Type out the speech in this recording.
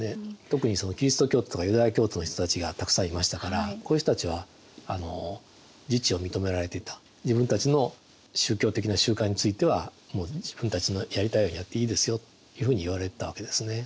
特にキリスト教徒とかユダヤ教徒の人たちがたくさんいましたからこういう人たちは自治を認められていた自分たちの宗教的な集会についてはもう自分たちのやりたいようにやっていいですよというふうに言われてたわけですね。